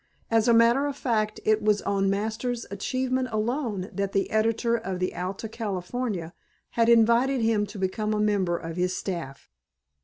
As a matter of fact it was on Masters' achievement alone that the editor of the Alta California had invited him to become a member of his staff.